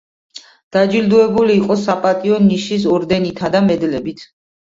დაჯილდოვებული იყო „საპატიო ნიშნის“ ორდენითა და მედლებით.